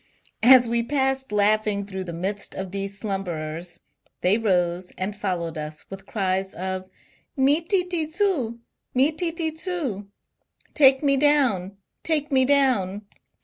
As we passed laughing through the midst of these slumberers, they rose and followed us with cries of ^^Mi tUi zu! Mi titi 2u/'' (Take me down I Take me down